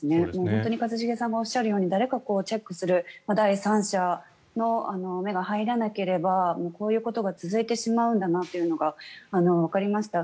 本当に一茂さんがおっしゃるように誰かがチェックする第三者の目が入らなければこういうことが続いてしまうんだなというのがわかりました。